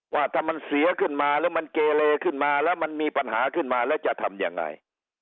ว่าถ้ามันเสียขึ้นมาหรือมันเกเลขึ้นมาแล้วมันมีปัญหาขึ้นมาแล้วจะทำยังไง